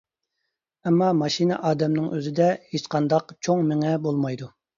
ئەمما ماشىنا ئادەمنىڭ ئۆزىدە ھېچقانداق چوڭ مېڭە بولمايدۇ.